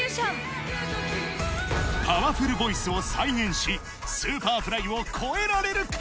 パワフルボイスを再現しＳｕｐｅｒｆｌｙを超えられるか？